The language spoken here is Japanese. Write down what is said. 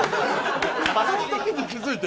その時に気付いて。